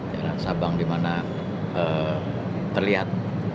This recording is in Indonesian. jalan sabang dimana terlihat